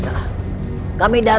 saya bukan percaya